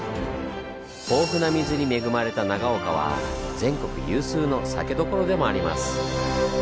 豊富な水に恵まれた長岡は全国有数の酒どころでもあります。